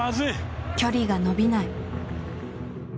距離が伸びない。